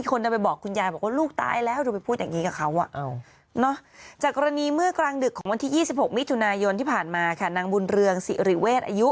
ก็ยังเล่ล่อนหนาว